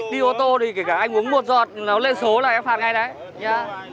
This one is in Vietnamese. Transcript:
đi ô tô thì kể cả anh uống một giọt nó lên số là em phạt ngay đấy